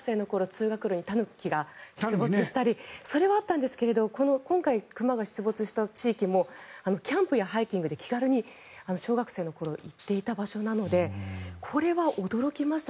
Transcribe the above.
まさに町田出身で小学生の頃は道にタヌキが出没したりというのはあったんですけど今回、熊が出没した地域もキャンプやハイキングで気軽に小学生の頃行っていた場所なので驚きました。